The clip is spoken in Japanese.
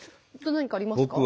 何かありますか？